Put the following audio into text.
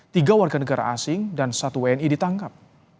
tiga warga negara asing dan satu wni ditangkap